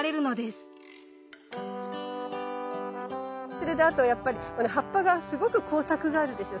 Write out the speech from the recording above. それであとはやっぱりこの葉っぱがすごく光沢があるでしょう。